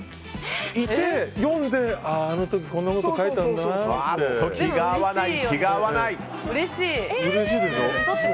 いて、読んであの時、こんなこと書いたんだなって。